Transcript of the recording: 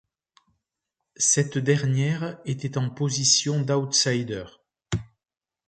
Cette dernière était en position d'outsider.